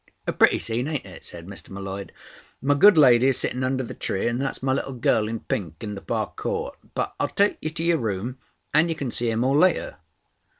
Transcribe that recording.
"A pretty scene, ain't it?" said Mr. M'Leod. "My good lady's sitting under the tree, and that's my little girl in pink on the far court. But I'll take you to your room, and you can see 'em all later."